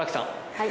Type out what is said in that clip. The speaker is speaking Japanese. はい。